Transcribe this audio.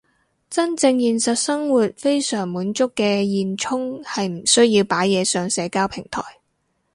真正現實生活非常滿足嘅現充係唔需要擺嘢上社交平台